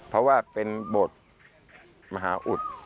เพราะว่าเป็นบทมหาอุด